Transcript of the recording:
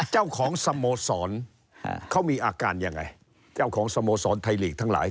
เจ้าของสโมสรเขามีอาการยังไงเจ้าของสโมสรไทยลีกทั้งหลาย